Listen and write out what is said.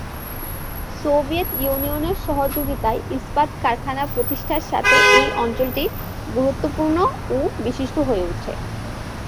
Soviet ইউনিয়নের সহযোগিতায় ইস্পাত কারখানা প্রতিষ্ঠার সাথে এই অঞ্চলটি গুরুত্বপূর্ণ ও বিশিষ্ট হয়ে ওঠে।